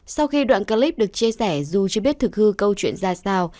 sau khi đoạn clip được chia sẻ dù chưa biết thực hư câu chuyện ra sao